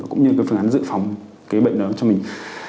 cũng như cái phương án dự phòng cái bệnh đó cho mình